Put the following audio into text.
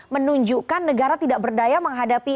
menunjukkan negara tidak berdaya menghadapi